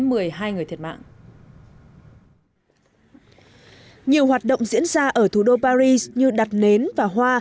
các cộng đồng địa phương đánh chặn nhiều hoạt động diễn ra ở thủ đô paris như đặt nến và hoa